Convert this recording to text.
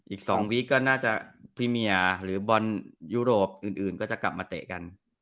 อีก๒วีคก็น่าจะพี่เมียหรือบอลยุโรปอื่นก็จะกลับมาเตะกัน